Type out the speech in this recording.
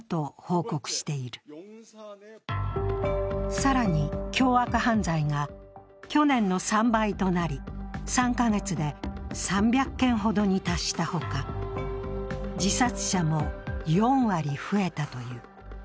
更に、凶悪犯罪が去年の３倍となり、３か月で３００件ほどに達したほか、自殺者も４割増えたという。